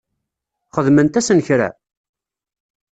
Xedment-asen kra?